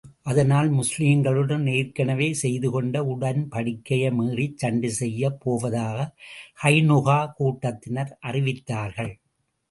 அதனால், முஸ்லிம்களுடன் ஏற்கனவே செய்து கொண்ட உடன்படிக்கையை மீறிச் சண்டை செய்யப் போவதாக கைனுகா கூட்டத்தினர் அறிவித்தார்கள்.